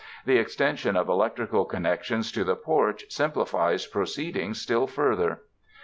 The extension of electrical connections to the porch simplifies proceedings still further.